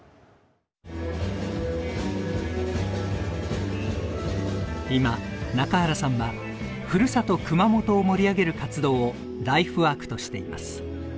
常にやっぱり今中原さんはふるさと熊本を盛り上げる活動をライフワークとしています。